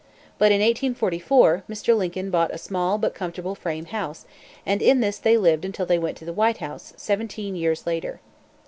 But, in 1844, Mr. Lincoln bought a small, but comfortable frame house, and in this they lived until they went to the White House, seventeen years later.